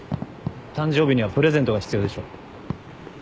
誕生日にはプレゼントが必要でしょ。